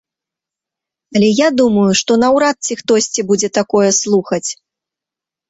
Але я думаю, што наўрад ці хтосьці будзе такое слухаць.